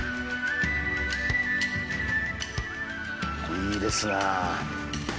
いいですな。